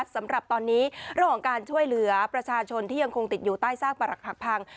สำหรับตอนนี้เรื่องของการช่วยเหลือประชาชนที่ยังคงติดอยู่ใต้ซากปรักหักพัง